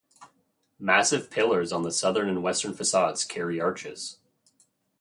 Massive pillars on the southern and western facades carry arches.